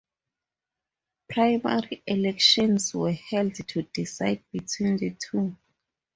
Primary elections were held to decide between the two.